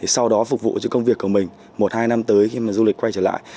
sau đó phục vụ cho công việc của mình một hai năm tới khi mà du lịch quay trở lại